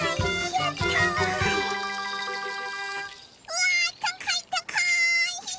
うわたかいたかい！